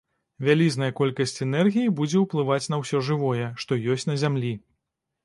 Вялізная колькасць энергіі будзе ўплываць на ўсё жывое, што ёсць на зямлі.